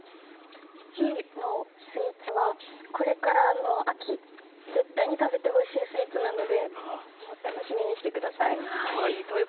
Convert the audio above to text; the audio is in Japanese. １位のスイーツはこれからの秋絶対に食べてほしいスイーツなので楽しみにしてください。